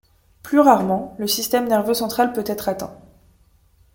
Plus rarement, le système nerveux central peut être atteint.